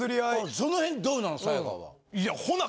その辺どうなん？